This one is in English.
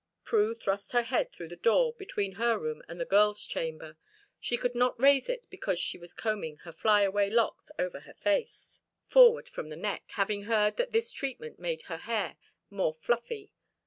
Prue thrust her head through the door between her room and the girls' chamber. She could not raise it because she was combing her fly away locks over her face, forward from the neck, having heard that this treatment made the hair more fluffy.